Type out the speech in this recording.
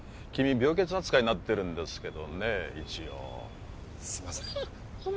病欠扱いになってるんですけどね一応すみません